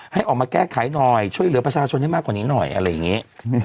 ให้ออกมาแก้ไขหน่อยช่วยเหลือประชาชนให้มากกว่านี้หน่อยอะไรอย่างนี้